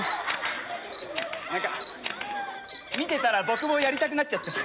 何か見てたら僕もやりたくなっちゃって。